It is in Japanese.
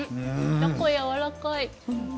たこ、やわらかい。